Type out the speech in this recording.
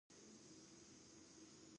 مرکب صفتونه جملې ته ژوروالی ورکوي.